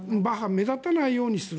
目立たないようにする。